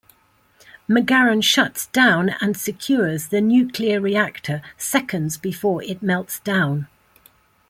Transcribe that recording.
McGarren shuts down and secures the nuclear reactor seconds before it melts down.